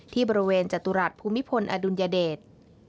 ที่บริเวณจตุรัสภูมิพลอดุลยเดช